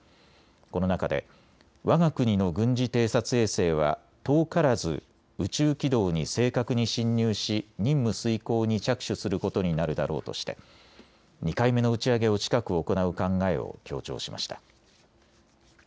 この中でわが国の軍事偵察衛星は遠からず宇宙軌道に正確に進入し任務遂行に着手することになるだろうとして２回目の打ち上げを近く行う考えを強調しました。